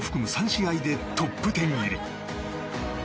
３試合でトップ１０入り。